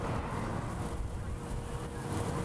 此病毒并不会感染人。